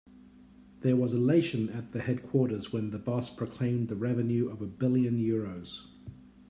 There was elation at the headquarters when the boss proclaimed the revenue of a billion euros.